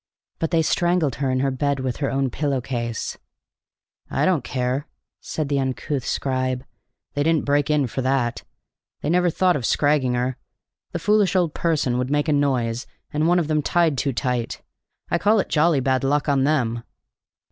"But they strangled her in her bed with her own pillow case!" "I don't care," said the uncouth scribe. "They didn't break in for that. They never thought of scragging her. The foolish old person would make a noise, and one of them tied too tight. I call it jolly bad luck on them."